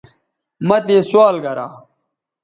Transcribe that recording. مہ تے سوال گرا